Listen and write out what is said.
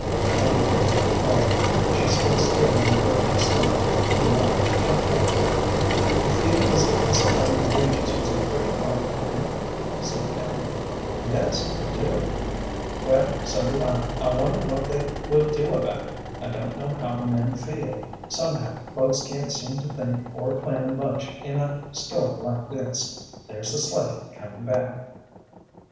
Ellen made no reply. She stood still in the drifting snow, with her mouth shut hard. "You feel as if this cutting wages was a pretty hard thing?" said Abby. "Yes, I do." "Well, so do I. I wonder what they will do about it. I don't know how the men feel. Somehow, folks can't seem to think or plan much in a storm like this. There's the sleigh coming back."